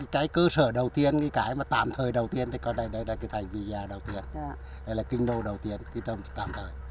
cái cơ sở đầu tiên cái tạm thời đầu tiên thì còn đây là cái thành visaya đầu tiên đây là kinh đô đầu tiên cái tạm thời